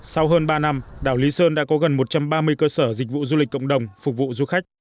sau hơn ba năm đảo lý sơn đã có gần một trăm ba mươi cơ sở dịch vụ du lịch cộng đồng phục vụ du khách